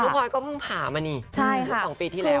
พลอยก็เพิ่งผ่ามานี่๒ปีที่แล้ว